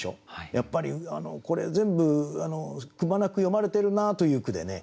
やっぱりこれ全部くまなく詠まれてるなという句でね